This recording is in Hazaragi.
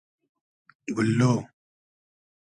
بوللۉ